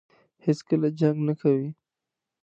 هېڅکله جنګ نه کوي.